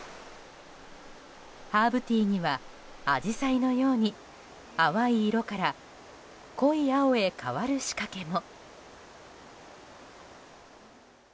ハーブティーにはアジサイのように淡い色から濃い青へ変わる仕掛けも。